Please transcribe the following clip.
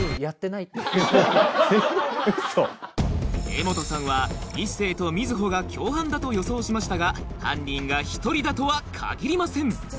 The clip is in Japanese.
柄本さんは一星と瑞穂が共犯だと予想しましたが犯人が１人だとは限りません